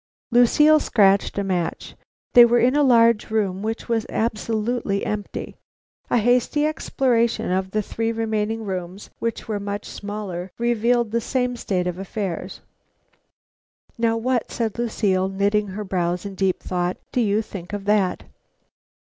Lucile scratched a match. They were in a large room which was absolutely empty. A hasty exploration of the three remaining rooms, which were much smaller, revealed the same state of affairs. "Now what," said Lucile, knitting her brows in deep thought, "do you think of that?"